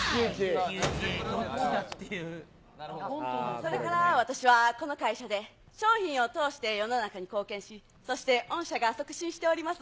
それから私はこの会社で、商品を通して世の中に貢献し、そして御社が促進しております